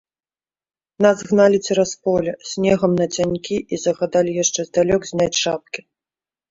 Нас гналі цераз поле, снегам нацянькі і загадалі яшчэ здалёк зняць шапкі.